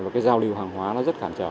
và cái giao lưu hàng hóa nó rất cản trở